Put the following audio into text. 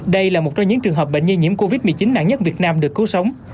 đây là một trong những trường hợp bệnh nhi nhiễm covid một mươi chín nặng nhất việt nam được cứu sống